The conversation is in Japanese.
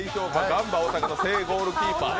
ガンバ大阪の正ゴールキーパー。